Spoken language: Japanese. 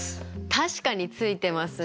確かについてますね。